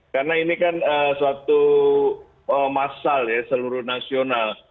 karena ini kan suatu massal ya seluruh nasional